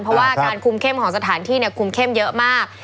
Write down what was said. เพราะว่าการคุมเข้มของสถานที่คุมเข้มเยอะมาก